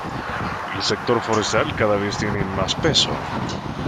El sector forestal cada vez tiene más peso.